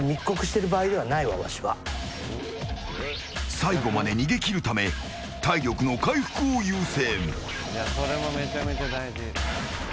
最後まで逃げ切るため体力の回復を優先。